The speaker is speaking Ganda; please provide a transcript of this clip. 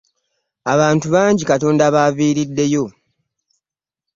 Abantu bangi Katonda b'aviiriddeyo.